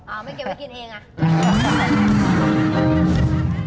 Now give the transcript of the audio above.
เอาไม่เก็บไว้กินเองอ่ะ